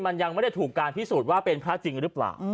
มันยังไม่ได้ถูกการพิสูจน์ว่าเป็นพระจริงหรือเปล่า